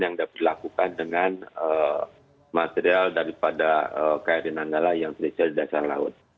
yang dapat dilakukan dengan material daripada kri nanggala yang berasal dari dasar laut